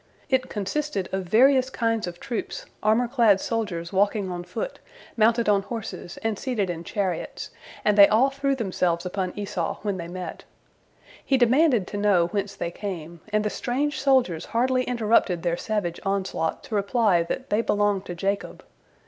It consisted of various kinds of troops, armor clad soldiers walking on foot, mounted on horses, and seated in chariots, and they all threw themselves upon Esau when they met. He demanded to know whence they came, and the strange soldiers hardly interrupted their savage onslaught to reply that they belonged to Jacob.